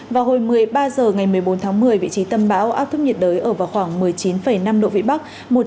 vào hồi một mươi ba h ngày một mươi bốn tháng một mươi vị trí tâm áp thấp nhiệt đới ở vào khoảng một mươi chín năm độ vĩ bắc